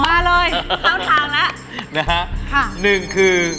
มาเลยเดินทางล่ะ